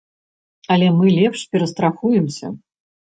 Але мы лепш перастрахуемся.